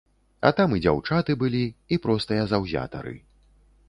А там і дзяўчаты былі, і простыя заўзятары.